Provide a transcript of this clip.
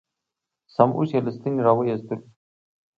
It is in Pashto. سم اوښ یې له ستنې را و ایستلو.